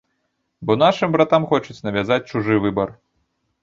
Бо нашым братам хочуць навязаць чужы выбар.